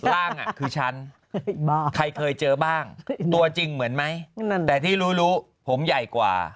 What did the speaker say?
ร่างคือฉันใครเคยเจอบ้างตัวจริงเหมือนไหมแต่ที่รู้รู้ผมใหญ่กว่า